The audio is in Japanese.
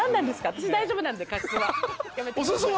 私大丈夫なんで加湿は。